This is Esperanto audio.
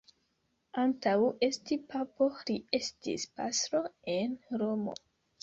Antaŭ esti papo, li estis pastro en Romo.